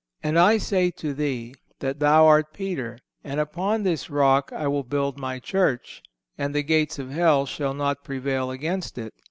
And I say to thee: that thou art Peter, and upon this rock I will build My Church, and the gates of hell shall not prevail against it.